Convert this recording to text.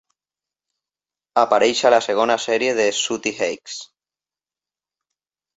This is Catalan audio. Apareix a la segona sèrie de "Sooty Heights".